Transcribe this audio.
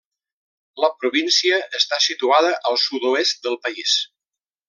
La província està situada al sud-oest del país.